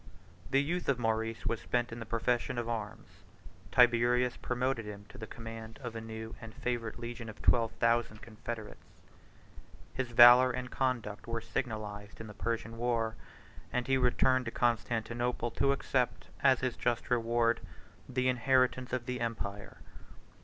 The youth of Maurice was spent in the profession of arms: Tiberius promoted him to the command of a new and favorite legion of twelve thousand confederates; his valor and conduct were signalized in the Persian war; and he returned to Constantinople to accept, as his just reward, the inheritance of the empire.